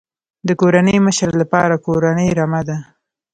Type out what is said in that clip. د کورنۍ مشر لپاره کورنۍ رمه ده.